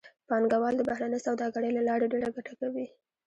پانګوال د بهرنۍ سوداګرۍ له لارې ډېره ګټه کوي